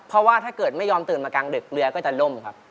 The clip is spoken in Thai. เพราะว่าถ้าเกิดไม่ยอมตื่นมากลางดึกเรือก็จะล่มครับ